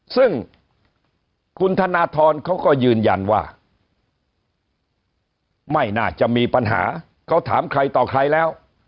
ซึ่งคุณธนทรเขาก็ยืนยันว่าไม่น่าจะมีปัญหาเขาถามใครต่อใครแล้ว